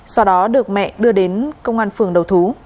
sau đó được mẹ đưa đến công an phường đầu thú